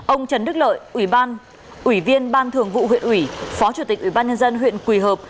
ông trần đức lợi ủy viên ban thường vụ huyện ủy phó chủ tịch ubnd huyện quỳ hợp